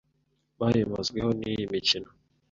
bayimazweho n’iyi mikino